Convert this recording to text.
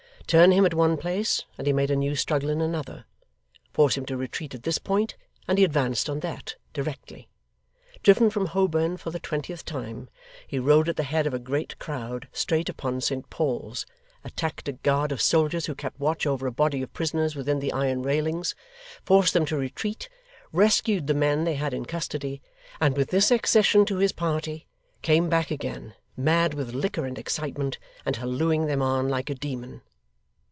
Turn him at one place, and he made a new struggle in another; force him to retreat at this point, and he advanced on that, directly. Driven from Holborn for the twentieth time, he rode at the head of a great crowd straight upon Saint Paul's, attacked a guard of soldiers who kept watch over a body of prisoners within the iron railings, forced them to retreat, rescued the men they had in custody, and with this accession to his party, came back again, mad with liquor and excitement, and hallooing them on like a demon.